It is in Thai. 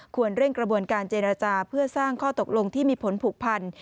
เร่งกระบวนการเจรจาเพื่อสร้างข้อตกลงที่มีผลผูกพัน